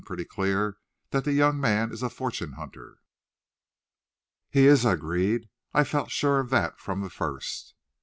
"Pretty clear that the young man is a fortune hunter." "He is," I agreed. "I felt sure of that from the first."